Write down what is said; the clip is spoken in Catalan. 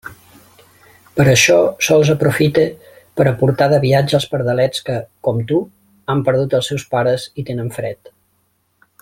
Per això sols aprofite per a portar de viatge els pardalets que, com tu, han perdut els seus pares i tenen fred.